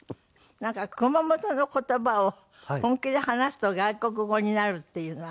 なんか熊本の言葉を本気で話すと外国語になるっていうのある？